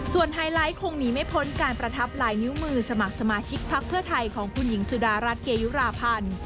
ไฮไลท์คงหนีไม่พ้นการประทับลายนิ้วมือสมัครสมาชิกพักเพื่อไทยของคุณหญิงสุดารัฐเกยุราพันธ์